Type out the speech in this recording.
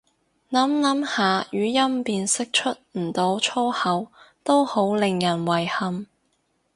諗諗下語音辨識出唔到粗口都好令人遺憾